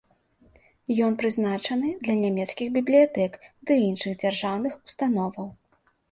Ён прызначаны для нямецкіх бібліятэк ды іншых дзяржаўных установаў.